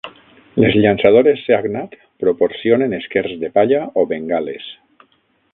Les llançadores Seagnat proporcionen esquers de palla o bengales.